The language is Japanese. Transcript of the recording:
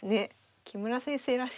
木村先生らしい。